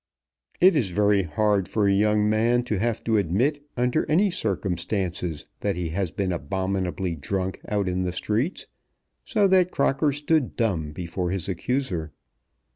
It is very hard for a young man to have to admit under any circumstances that he has been abominably drunk out in the streets; so that Crocker stood dumb before his accuser.